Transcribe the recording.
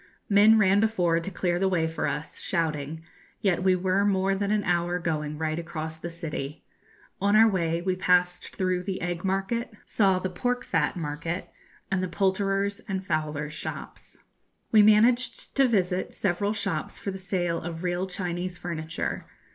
Men ran before to clear the way for us, shouting, yet we were more than an hour going right across the city. On our way we passed through the egg market, saw the pork fat market, and the poulterers' and fowlers' shops. We managed to visit several shops for the sale of real Chinese furniture.